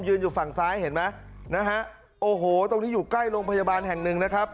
อยู่ฝั่งซ้ายเห็นไหมนะฮะโอ้โหตรงนี้อยู่ใกล้โรงพยาบาลแห่งหนึ่งนะครับ